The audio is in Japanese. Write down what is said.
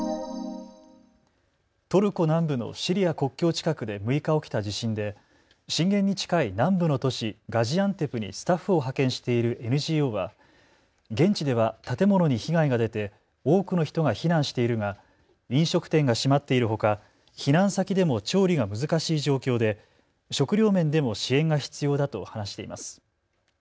トルコ南部のシリア国境近くで６日、起きた地震で震源に近い南部の都市ガジアンテプにスタッフを派遣しているＮＧＯは現地では建物に被害が出て多くの人が避難しているが飲食店が閉まっているほか避難先でも調理が難しい状況で食料面でも支援が必要だと話しています。